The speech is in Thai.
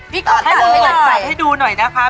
พี่กบตัดให้ดูหน่อยนะคะ